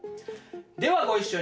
ではご一緒に。